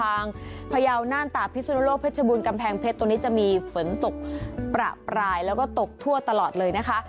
พยาวน่านตากพิสุนโลกเพชรบูรกำแพงเพชรตรงนี้จะมีฝนตกประปรายแล้วก็ตกทั่วตลอดเลยนะคะ